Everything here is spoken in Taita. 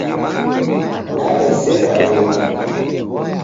Naw'esera luma